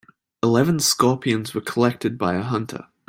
Eleven scorpions were collected by a hunter.